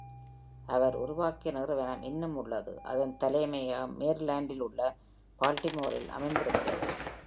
அவர் உருவாக்கிய நிறுவனம் இன்னும் உள்ளது, அதன் தலைமையகம் மேரிலான்டிலுள்ள பால்டிமோரில் அமைந்திருக்கிறது.